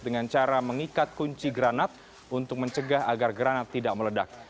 dengan cara mengikat kunci granat untuk mencegah agar granat tidak meledak